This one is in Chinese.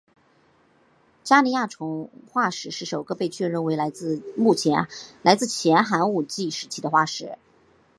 加尼亚虫化石是首个被确认为来自前寒武纪时期的化石。